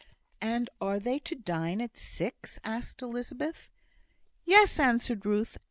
"And they are to dine at six?" asked Elizabeth. "Yes," answered Ruth.